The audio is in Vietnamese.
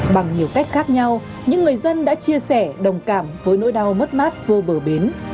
bằng nhiều cách khác nhau những người dân đã chia sẻ đồng cảm với nỗi đau mất mát vô bờ bến